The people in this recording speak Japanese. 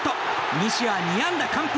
西は２安打完封！